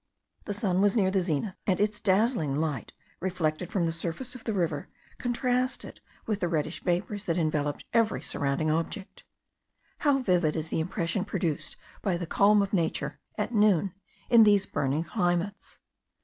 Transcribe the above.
The sun was near the zenith, and its dazzling light, reflected from the surface of the river, contrasted with the reddish vapours that enveloped every surrounding object. How vivid is the impression produced by the calm of nature, at noon, in these burning climates!